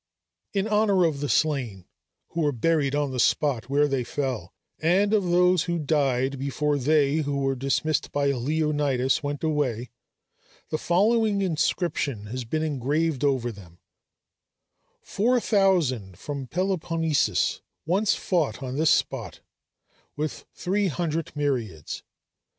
In honor of the slain, who were buried on the spot where they fell, and of those who died before they who were dismissed by Leonidas went away, the following inscription has been engraved over them: "Four thousand from Peloponnesus once fought on this spot with three hundred myriads!